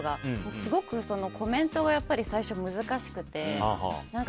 すごくコメントが最初難しくて。